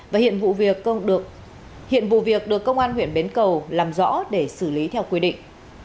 và hiện vụ việc được công an huyện bến cầu làm rõ để xử lý theo quy định